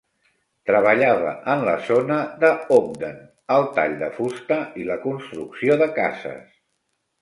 Treballava en la zona de Ogden el tall de fusta i la construcció de cases.